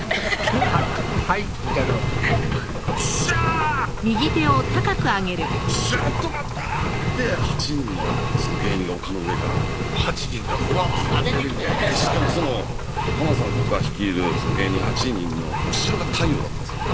「はい」みたいなんをはい「よっしゃ！」って言ったら「ちょっと待った！」って８人の芸人が丘の上から８人がブワーッ出てきて出てきてしかも浜田さんとか率いる芸人８人の後ろが太陽だったんですよ